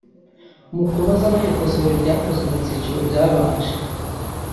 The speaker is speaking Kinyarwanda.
mu kunoza no gukosora ibyakozwe mu byiciro byabanje